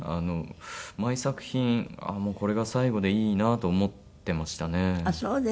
毎作品これが最後でいいなと思ってましたね。